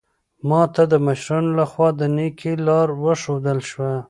ما ته د مشرانو لخوا د نېکۍ لار وښودل شوه.